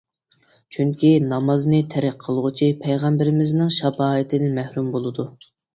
چۈنكى نامازنى تەرك قىلغۇچى پەيغەمبىرىمىزنىڭ شاپائىتىدىن مەھرۇم بولىدۇ.